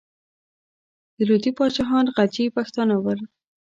د لودي پاچاهان غلجي پښتانه ول.